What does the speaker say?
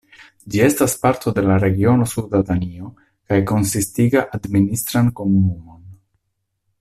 Ĝi estas parto de la regiono Suda Danio kaj konsistigas administran komunumon.